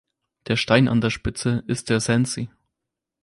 Der Stein an der Spitze ist der Sancy.